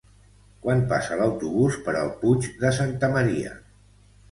Quan passa l'autobús per el Puig de Santa Maria?